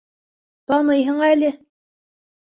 Таныйһың әле.